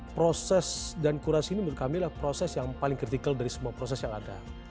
proses dan kurasi ini menurut kami adalah proses yang paling kritikal dari semua proses yang ada